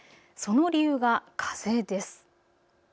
その理由は風です。